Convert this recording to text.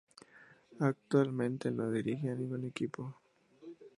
Actualmente no dirige a ningún equipo.